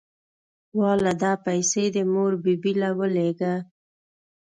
واله دا پيسې دې مور بي بي له ولېږه.